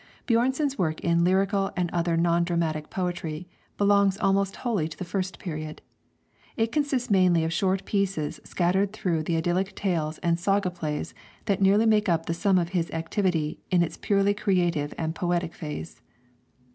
Björnson's work in lyrical and other non dramatic poetry belongs almost wholly to the first period. It consists mainly of short pieces scattered through the idyllic tales and saga plays that nearly make up the sum of his activity in its purely creative and poetic phase.